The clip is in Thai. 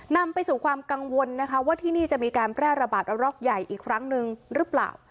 นำไปสู่ความกังวลนะคะว่าที่นี่จะมีการแพร่ระบาดระรอกใหญ่อีกครั้งหนึ่งหรือเปล่า